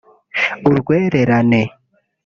Urwererane